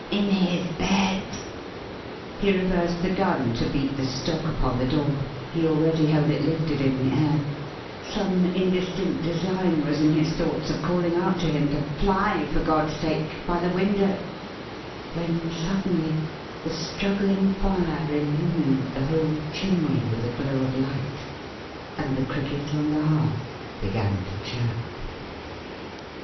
In his Bed!" He reversed the Gun to beat the stock upon the door; he already held it lifted in the air; some indistinct design was in his thoughts of calling out to him to fly, for God's sake, by the window When, suddenly, the struggling fire illumined the whole chimney with a glow of light; and the Cricket on the Hearth began to chirp!